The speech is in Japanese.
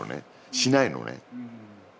しないのね。